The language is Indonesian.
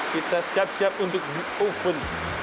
kita siap siap untuk di oven